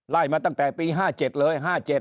มาตั้งแต่ปี๕๗เลย๕๗